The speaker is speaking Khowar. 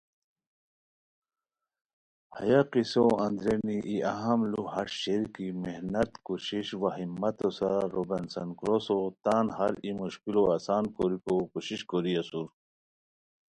ہیہ قصو اندرینی ای اہم لُو ہݰ شیر کی محنت کوشش وا ہمتو سورا روبن سن کروسو تان ہر مشکلو آسان کوریکو کوشش کوری اسور